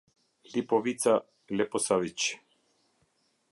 Lipovica, Leposaviç